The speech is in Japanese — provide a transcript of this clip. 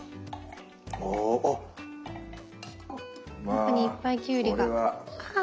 中にいっぱいきゅうりが。